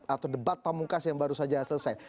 atau debat pamungkas yang baru saja selesai